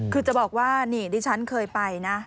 คือจะบอกว่านี่ดิฉันเคยไปนะ